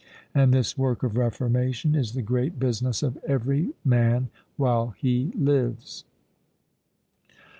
And this work of reformation is the great business of every man while he lives.